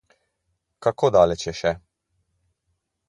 Kako daleč je še?